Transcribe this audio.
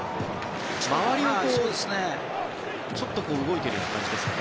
周りはちょっと動いている感じですかね。